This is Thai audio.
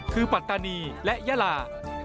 คือปัตตานีและยาลา